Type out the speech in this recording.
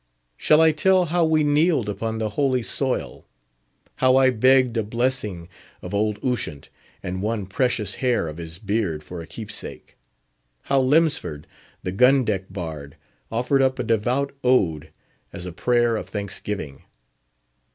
Shall I tell how we kneeled upon the holy soil? How I begged a blessing of old Ushant, and one precious hair of his beard for a keepsake? How Lemsford, the gun deck bard, offered up a devout ode as a prayer of thanksgiving?